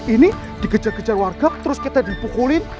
ini dikejar kejar warga terus kita dipukulin